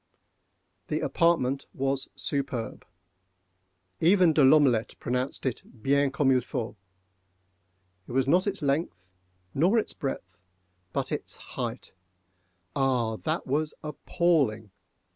The apartment was superb. Even De L'Omelette pronounced it bien comme il faut. It was not its length nor its breadth,—but its height—ah, that was appalling!